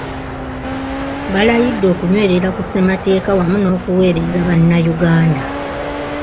Balayidde okunywerera ku ssemateeka wamu n’okuweereza bannayuganda.